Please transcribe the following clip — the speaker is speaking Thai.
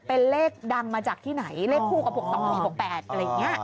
เป็นเลขดังมาจากที่ไหนเลขคู่ก็พก๒มีพก๘ครับ